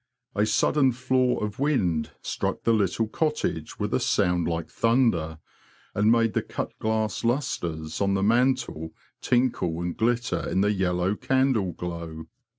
A sudden flaw of wind struck the little cottage with a sound like thunder, and made the cut glass lustres on the mantle tinkle and glitter in the yellow candle glow.